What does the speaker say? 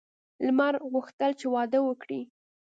لمر غوښتل چې واده وکړي.